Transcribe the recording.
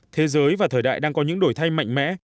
thế giới và thời đại đang có những đổi thay mạnh mẽ